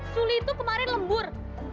suli itu kemarin lembur